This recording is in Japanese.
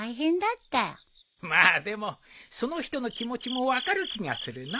まあでもその人の気持ちも分かる気がするのう。